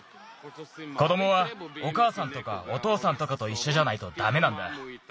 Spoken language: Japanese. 子どもはおかあさんとかおとうさんとかといっしょじゃないとダメなんだ。